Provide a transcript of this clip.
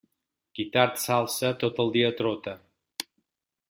Qui tard s'alça, tot el dia trota.